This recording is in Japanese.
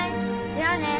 じゃあね。